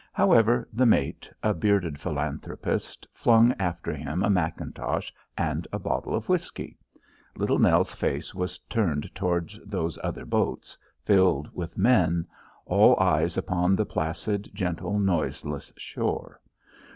However, the mate, a bearded philanthropist, flung after him a mackintosh and a bottle of whisky. Little Nell's face was turned toward those other boats filled with men, all eyes upon the placid, gentle, noiseless shore.